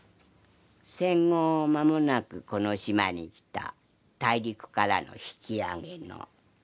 戦後間もなくこの島に来た大陸からの引き揚げの。